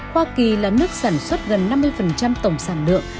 hoa kỳ là nước sản xuất gần năm mươi tổng sản lượng